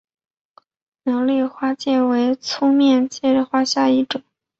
苗栗丽花介为粗面介科丽花介属下的一个种。